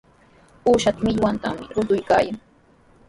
Uushapa millwantami rutuykaayan.